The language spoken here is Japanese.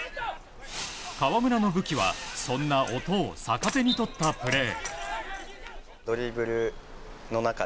川村の武器はそんな音を逆手に取ったプレー。